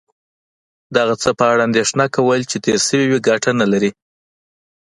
د هغه څه په اړه اندېښنه کول چې تیر شوي وي کټه نه لرې